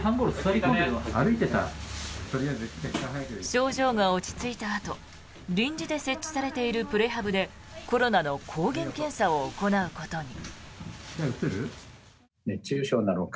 症状が落ち着いたあと臨時で設置されているプレハブでコロナの抗原検査を行うことに。